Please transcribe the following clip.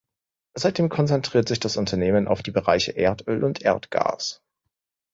Seitdem konzentriert sich das Unternehmen auf die Bereiche Erdöl und Erdgas.